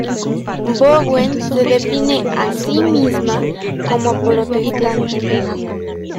Bowen se define a sí misma como protestante.